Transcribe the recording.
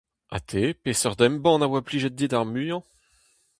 Ha te, peseurt embann a oa plijet dit ar muiañ ?